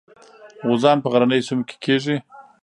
غوزان په غرنیو سیمو کې کیږي.